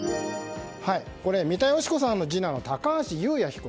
三田佳子さんの次男の高橋祐也被告。